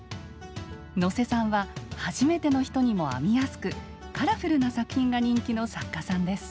能勢さんは初めての人にも編みやすくカラフルな作品が人気の作家さんです。